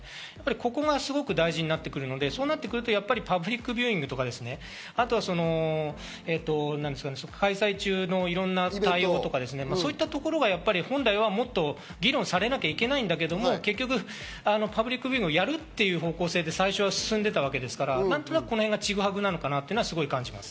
ここがすごく大事になってくるので、そうなってくるとパブリックビューイングとか、開催中のいろんな対応、そういったところが本来はもっと議論されなきゃいけないんだけど、結局パブリックビューイングをやるという方向性で最初は進んでいたわけなので、ちぐはぐなのかなと感じます。